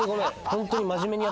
ホントに。